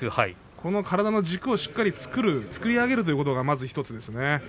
体の軸をしっかり作り上げるということがまず１つですね。